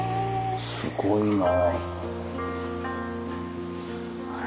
すごいなあ。